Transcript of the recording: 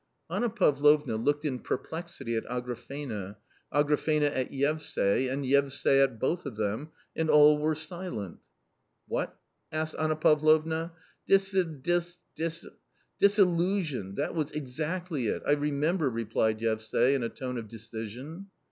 Anna Pavlovna looked in perplexity at Agrafena, Agrafena at Yevsay, and Yevsay at both of them, and all were silent. " What? " asked Anna Pavlovna. " Disill — disillusioned, that was exactly it, I remember !" replied Yevsay in a tone of decision.